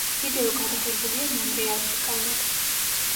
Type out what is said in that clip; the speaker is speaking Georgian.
ვიდეო გადაღებულია მონრეალში, კანადა.